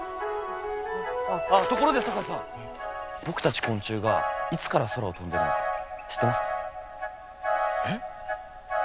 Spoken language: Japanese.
あっところで堺さん僕たち昆虫がいつから空を飛んでるのか知ってますか？